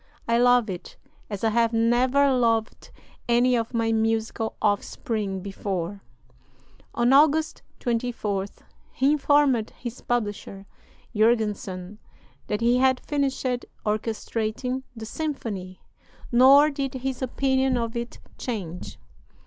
"I love it as I have never loved any of my musical offspring before." On August 24th he informed his publisher, Jurgenson, that he had finished orchestrating the symphony; nor did his opinion of it change.